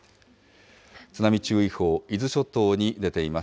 津波注意報、伊豆諸島に出ています。